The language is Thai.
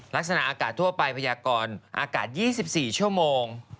ลักษณะอากาศทั่วไปพยากรอากาศ๒๔ชั่วโมง